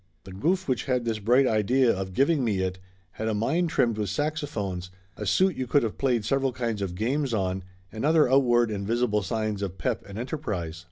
The goof which had this bright idea of giving me it had a mind trimmed with saxo phones, a suit you could of played several kinds of games on, and other outward and visible signs of pep and enterprise.